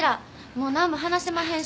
もうなんも話せまへんし。